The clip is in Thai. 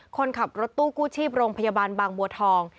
คนขับรถตู้กู้ชีพโรงพยาบาลบางบัวทอง